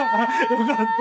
よかった！